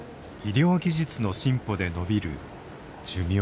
医療技術の進歩でのびる寿命。